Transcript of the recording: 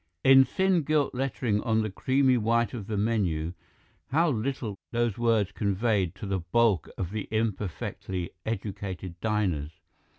In thin gilt lettering on the creamy white of the menu how little those words conveyed to the bulk of the imperfectly educated diners.